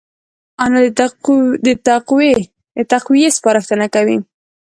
انا د تقوی سپارښتنه کوي